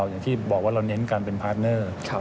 อย่างที่บอกว่าเราเน้นการเป็นพาร์ทเนอร์